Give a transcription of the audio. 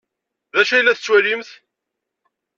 D acu ay la tettwalimt?